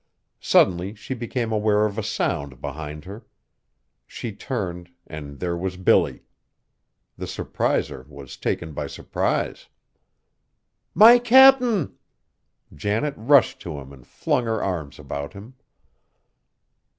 Suddenly she became aware of a sound behind her. She turned, and there was Billy! The surpriser was taken by surprise. "My Cap'n!" Janet rushed to him and flung her arms about him.